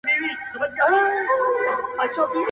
ځاى جوړاوه_